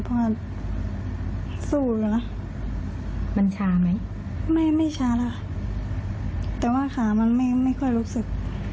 เพราะว่าสู้อยู่แล้วมันช้าไหมไม่ไม่ช้าแล้วค่ะแต่ว่าขามันไม่ไม่ค่อยรู้สึก